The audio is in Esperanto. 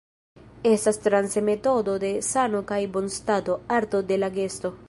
Estas transe metodo de sano kaj bonstato, arto de la gesto.